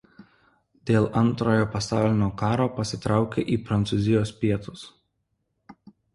Dėl Antrojo pasaulinio karo pasitraukė į Prancūzijos pietus.